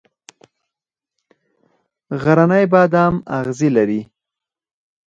غرنی بادام اغزي لري؟